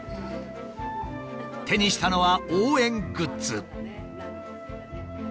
手にしたのは応援グッズ。